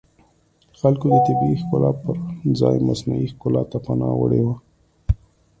خلکو د طبیعي ښکلا پرځای مصنوعي ښکلا ته پناه وړې وه